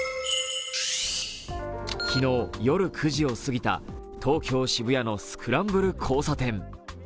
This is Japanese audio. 昨日、夜９時を過ぎた東京・渋谷のスクランブル交差点。